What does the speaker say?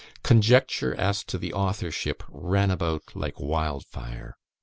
Conjecture as to the authorship ran about like wild fire.